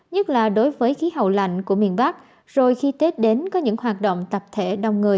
nhất là đối với khí hậu lạnh của miền bắc rồi khi tết đến có những hoạt động tập thể đông người